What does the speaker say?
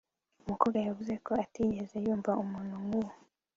Umukobwa yavuze ko atigeze yumva umuntu nkuwo